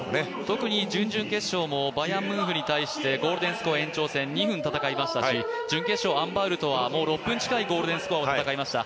特に準々決勝もバヤンムンフに対してゴールデンスコア、２分戦いましたし、準決勝、アン・バウルとは６分近いゴールデンスコアを戦いました